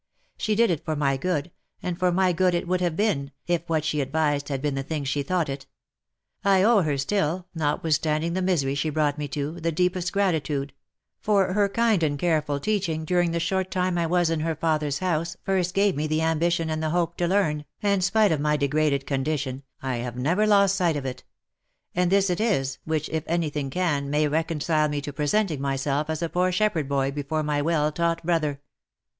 She did it for my good, and for my good it would have been, if what she advised had been the thing she thought it ! I owe her still, notwithstanding the misery she brought me to, the deepest gratitude ; for her kind and careful teaching during the short time 1 was in her father's house first gave me the ambition and the hope to learn, and, spite of my degraded condition, I have never lost sight of it — and this it is, which, if any thing can, may reconcile me to presenting myself as a poor shepherd boy before my well taught brother."